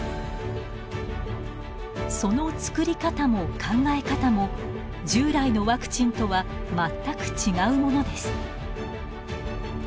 その作り方も考え方も従来のワクチンとは全く違うものです。